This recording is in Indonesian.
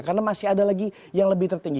karena masih ada lagi yang lebih tertinggi